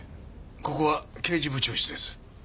ここは刑事部長室です。